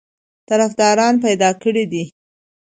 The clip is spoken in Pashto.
طرفداران پیدا کړي دي.